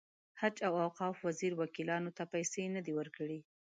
حج او اوقاف وزیر وکیلانو ته پیسې نه دي ورکړې.